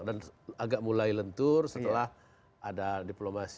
dan agak mulai lentur setelah ada diplomat